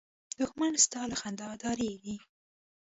دښمن ستا له خندا ډارېږي